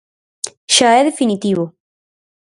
Xa é definitivo.